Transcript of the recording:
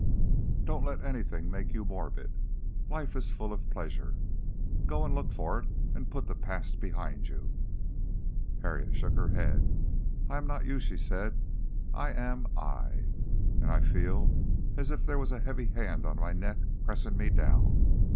Don't let anything make you morbid. Life is full of pleasure. Go and look for it, and put the past behind you." Harriet shook her head. "I am not you," she said. "I am I. And I feel as if there was a heavy hand on my neck pressing me down.